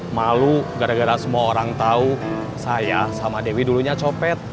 malu gara gara semua orang tahu saya sama dewi dulunya copet